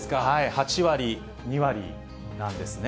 ８割、２割なんですね。